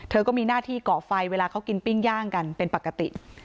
ก็มีหน้าที่เกาะไฟเวลาเขากินปิ้งย่างกันเป็นปกติ